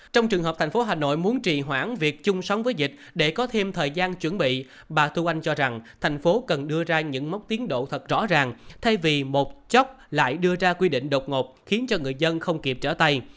trong trường hợp thành phố hà nội muốn trì hoãn việc chung sống với dịch để có thêm thời gian chuẩn bị bà thu oanh cho rằng thành phố cần đưa ra những mốc tiến độ thật rõ ràng thay vì một chốc lại đưa ra quy định độc ngột khiến cho người dân không kịp trở tay